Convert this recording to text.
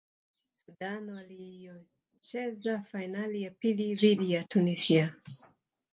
sudan waliocheza fainali ya pili dhidi ya tunisia